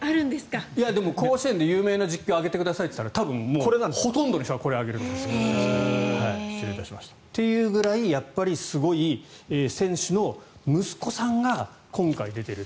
でも甲子園で有名な実況を挙げてくださいと言ったら多分、ほとんどの人はこれを挙げるんですよね。というぐらいやっぱりすごい選手の息子さんが今回出ている。